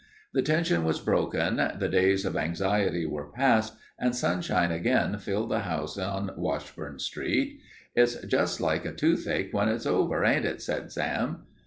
The tension was broken, the days of anxiety were past, and sunshine again filled the house on Washburn Street. "It's just like a toothache when it's over, ain't it?" said Sam.